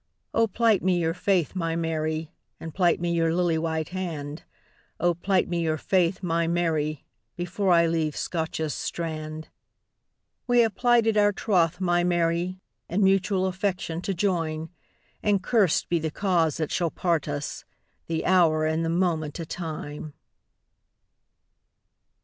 O plight me your faith, my Mary, And plight me your lily white hand;O plight me your faith, my Mary, Before I leave Scotia's strand. We hae plighted our troth, my Mary, In mutual affection to join; And curst be the cause that shall part us! The hour and the moment o' time!